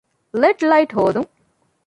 ލެޑް ލައިޓް ހޯދުން